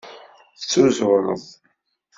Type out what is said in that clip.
Tuzureḍ.